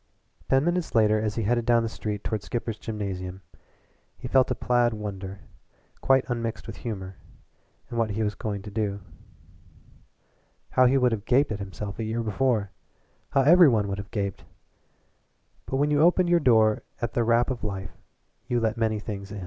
Ten minutes later as he headed down the street toward Skipper's Gymnasium he felt a placid wonder, quite unmixed with humor, at what he was going to do. How he would have gaped at himself a year before! How every one would have gaped! But when you opened your door at the rap of life you let in many things.